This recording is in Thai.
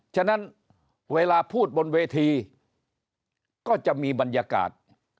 ฉะนั้นเวลาพูดบนเวทีก็จะมีบรรยากาศ